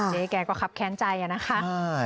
เจ๊แก่ก็ครับแค้นใจนะครับ